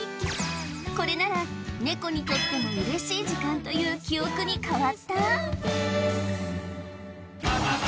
これならネコにとっても嬉しい時間という記憶に変わった？